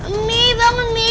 mami bangun mami